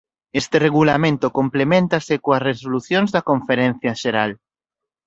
Este regulamento complementase coas resolucións da Conferencia Xeral.